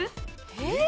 えっ？